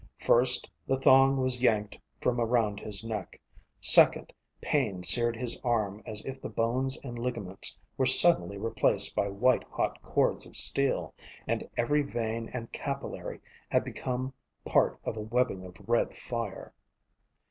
First, the thong was yanked from around his neck. Second, pain seared his arm as if the bones and ligaments were suddenly replaced by white hot cords of steel, and every vein and capillary had become part of a webbing of red fire.